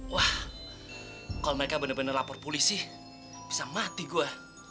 wah kalo mereka bener bener lapor polisi bisa mati gua